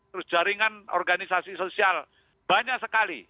terus jaringan organisasi sosial banyak sekali